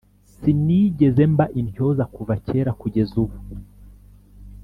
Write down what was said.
sinigeze mba intyoza Kuva kera kugeza ubu